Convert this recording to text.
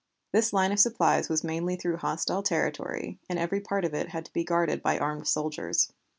This line of supplies was mainly through hostile territory, and every part of it had to be guarded by armed soldiers.